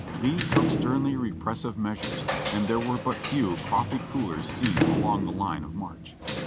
Lee took sternly repressive measures, and there were but few coffee coolers seen along the line of march.